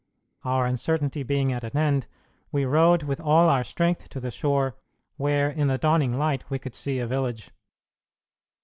Our uncertainty being at an end, we rowed with all our strength to the shore, where in the dawning light we could see a village.